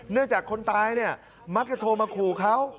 เนื่องจากคนตายมักจะโทรมาขู่เขา